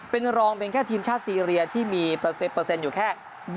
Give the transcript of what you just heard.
เป็นรองเป็นแค่ทีมชาติซีเรียที่มีอยู่แค่